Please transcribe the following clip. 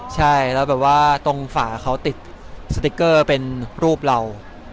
ใช่แล้วแบบว่าตรงฝาเขาติดสติ๊กเกอร์เป็นรูปเรา